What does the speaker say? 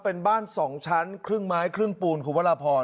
เป็นบ้านสองชั้นครึ่งไม้ครึ่งปูนขวัลภร